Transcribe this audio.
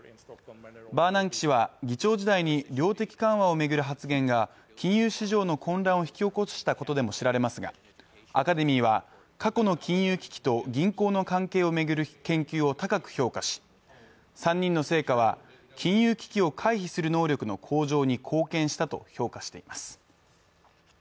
バーナンキ氏は議長時代に量的緩和を巡る発言が金融市場の混乱を引き起こしたことでも知られますがアカデミーは過去の金融危機と銀行の関係を巡る研究を高く評価し、３人の成果は金融危機を回避する能力の向上に貢献したと評価しています。